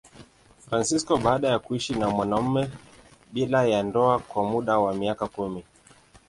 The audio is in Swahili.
Fransisko baada ya kuishi na mwanamume bila ya ndoa kwa muda wa miaka kumi.